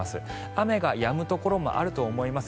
雨がやむところもあると思います。